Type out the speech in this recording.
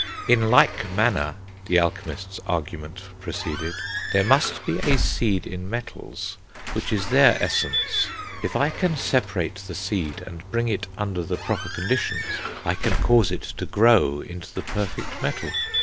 "In like manner," the alchemist's argument proceeded, "there must be a seed in metals which is their essence; if I can separate the seed and bring it under the proper conditions, I can cause it to grow into the perfect metal."